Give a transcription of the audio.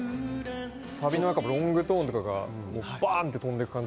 サビのロングトーンとかバン！って飛んでいく感じ。